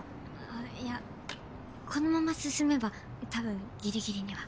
いやこのまま進めば多分ギリギリには。